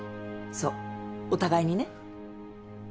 そうお互いにね。